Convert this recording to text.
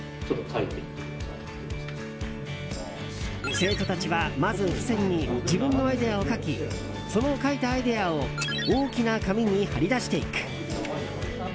生徒たちは、まず付箋に自分のアイデアを書きその書いたアイデアを大きな紙に貼り出していく。